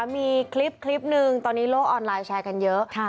มีคลิปหนึ่งตอนนี้โลกออนไลน์แชร์กันเยอะ